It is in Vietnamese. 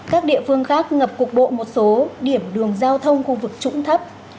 các địa phương khác ngập cục bộ một số điểm đường giao thông khu vực trũng thấp